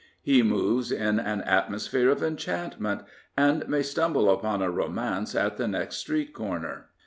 He moves in an atmosphere of enchantment, and may stumble upon a romance at the next street corner.